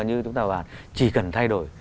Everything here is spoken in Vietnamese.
như chúng ta bảo chỉ cần thay đổi